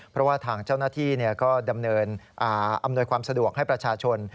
เพราะว่าทางเจ้าหน้าที่ก็ดำเนินอำนวยความสะดวกให้ประชาชน